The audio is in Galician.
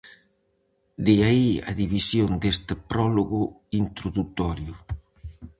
De aí a división deste prólogo introdutorio.